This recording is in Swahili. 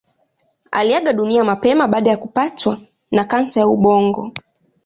Aliaga dunia mapema baada ya kupatwa na kansa ya ubongo.